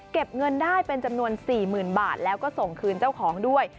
เงินได้เป็นจำนวน๔๐๐๐บาทแล้วก็ส่งคืนเจ้าของด้วย